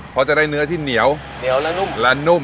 เพราะจะได้เนื้อที่เหนียวเหนียวละนุ่มละนุ่ม